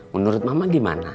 menurut mama gimana